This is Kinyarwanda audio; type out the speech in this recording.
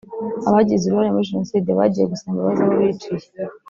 abagize uruhare muri Jenoside bagiye gusaba imbabazi abo biciye